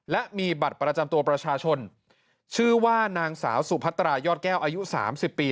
และมีบัตรประจำตัวประชาชนชื่อว่านางสาวสุพัตรายอดแก้วอายุสามสิบปี